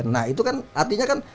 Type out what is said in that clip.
nah itu kan artinya kan